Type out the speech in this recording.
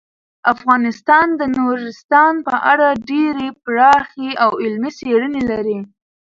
افغانستان د نورستان په اړه ډیرې پراخې او علمي څېړنې لري.